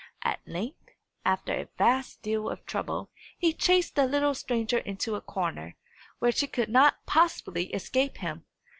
At length, after a vast deal of trouble, he chased the little stranger into a corner, where she could not possibly escape him.